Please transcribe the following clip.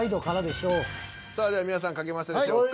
さあでは皆さん書けましたでしょうか。